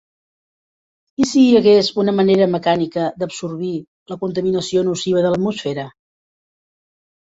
I si hi hagués una manera mecànica d'absorbir la contaminació nociva de l'atmosfera?